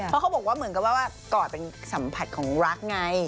เพราะเขาบอกว่าเหมือนกับว่ากอดเป็นสัมผัสของรักไง